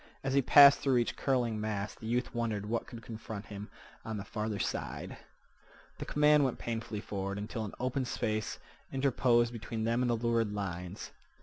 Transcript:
As he passed through each curling mass the youth wondered what would confront him on the farther side. The command went painfully forward until an open space interposed between them and the lurid lines.